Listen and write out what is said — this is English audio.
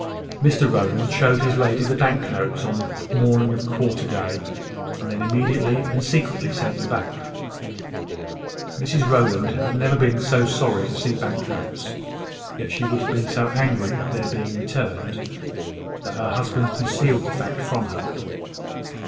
Mr Rowland showed his lady the bank notes on the morning of quarter day, and then immediately and secretly sent them back. Mrs Rowland had never been so sorry to see bank notes; yet she would have been so angry at their being returned, that her husband concealed the fact from her.